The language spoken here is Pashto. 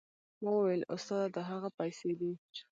ما وويل استاده دا هغه پيسې دي.